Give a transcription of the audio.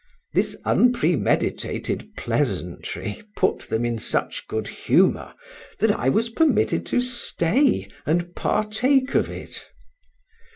This unpremeditated pleasantry put them in such good humor, that I was permitted to stay, and partake of it.